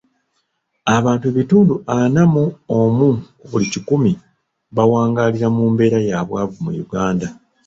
Abantu ebitundu ana mu omu ku buli kikumi bawangaalira mu mbeera ya bwavu mu Uganda.